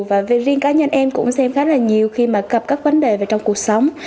và riêng cá nhân em cũng xem khá là nhiều khi mà gặp các vấn đề về trong cuộc sống